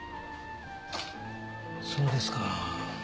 そうですか。